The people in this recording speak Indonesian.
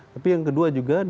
tapi yang kedua juga